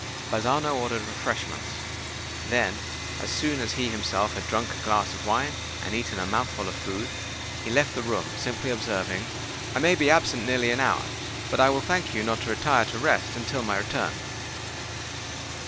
Bazzano ordered refreshments: then, as soon as he himself had drunk a glass of wine and eaten a mouthful of food, he left the room, simply observing, "I may be absent nearly an hour; but I will thank you not to retire to rest until my return."